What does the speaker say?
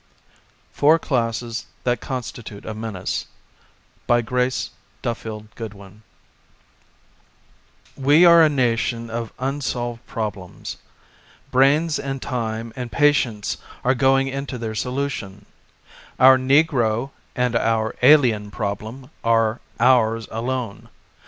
40 FOUR CLASSES THAT CONSTITUTE A MENACE r* IV FOUR CLASSES THAT CONSTITUTE A MENACE, \X7E are a nation of unsolved prob ^^ lems. Brains and time and pa tience are going into their solution. Our negro and our alien problem are/| ours alone.